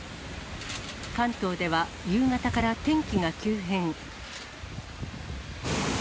関東では、夕方から天気が急変。